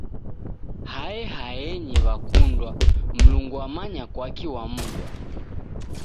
Hae haenyi w'akundwa, mlungu wamanya kwaki wamudwa